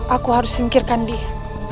aku harus singkirkan dia